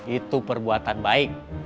itu perbuatan baik